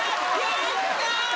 やったー！